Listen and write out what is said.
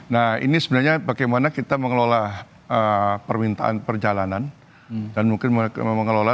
nah ini sebenarnya bagaimana kita mengelola permintaan perjalanan dan mungkin mengelola